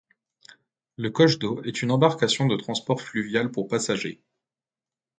Le coche d'eau est une embarcation de transport fluvial pour passager.